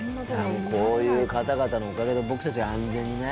こういう方々のおかげで僕たちは安全にね。